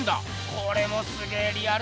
これもすげえリアルだな。